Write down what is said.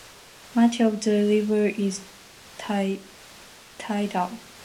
Much of the river is tidal.